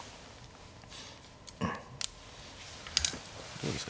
どうですか。